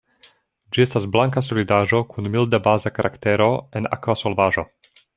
Ĝi estas blanka solidaĵo kun milda baza karaktero en akva solvaĵo.